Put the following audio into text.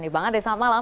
bang andre selamat malam